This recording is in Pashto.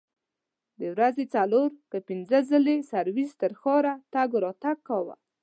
د ورځې څلور که پنځه ځلې سرویس تر ښاره تګ راتګ کاوه.